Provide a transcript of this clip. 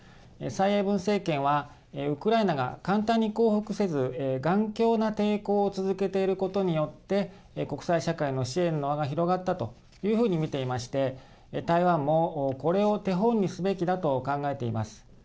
蔡英文政権はウクライナが簡単に降伏せず頑強な抵抗を続けていることによって国際社会の支援の輪が広がったというふうに見ていまして台湾も、これを手本にすべきだと考えています。